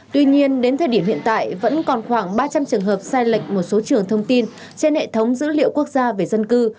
tuy nhiên đến thời điểm hiện tại vẫn còn khoảng ba trăm linh trường hợp sai lệch một số trường thông tin trên hệ thống dữ liệu quốc gia về dân cư